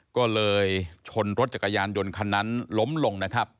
ก็เลยชนรถจักรยานยนต์คันนั้นล้มลงนะครับ